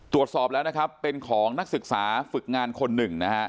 ตรวจสอบแล้วนะครับเป็นของนักศึกษาฝึกงานคนหนึ่งนะฮะ